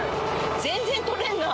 全然取れんなぁ。